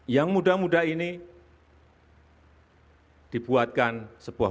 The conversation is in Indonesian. yang muda muda ini dibuatkan sebuah